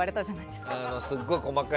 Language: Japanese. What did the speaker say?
すごい細かい。